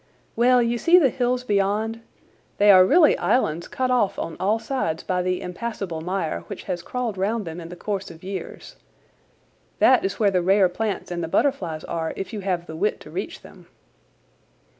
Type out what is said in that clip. "Well, you see the hills beyond? They are really islands cut off on all sides by the impassable mire, which has crawled round them in the course of years. That is where the rare plants and the butterflies are, if you have the wit to reach them."